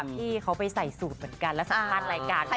พี่เขาไปใส่สูตรเหมือนกันแล้วสัมภาษณ์รายการนี้